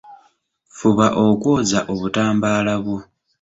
Fuba okwoza obutambaala bwo.